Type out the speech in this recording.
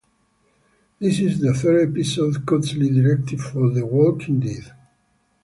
This is the third episode Cudlitz directed for "The Walking Dead".